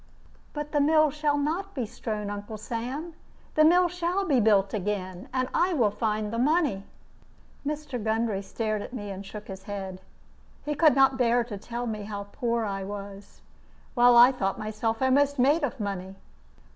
"But the mill shall not be strown, Uncle Sam. The mill shall be built again. And I will find the money." Mr. Gundry stared at me and shook his head. He could not bear to tell me how poor I was, while I thought myself almost made of money.